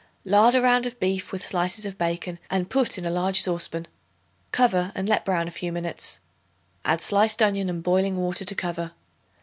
Lard a round of beef with slices of bacon and put in a large saucepan. Cover and let brown a few minutes. Add sliced onion and boiling water to cover.